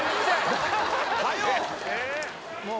はよう！